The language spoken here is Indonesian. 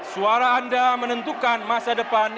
suara anda menentukan masa depan